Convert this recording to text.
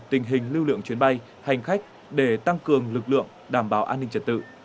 tình hình lưu lượng chuyến bay hành khách để tăng cường lực lượng đảm bảo an ninh trật tự